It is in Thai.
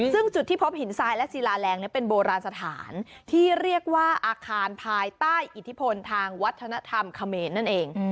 ซึ่งจุดที่พบหินทรายและศิลาแรงเป็นโบราณสถานที่เรียกว่าอาคารภายใต้อิทธิพลทางวัฒนธรรมเขมรนั่นเอง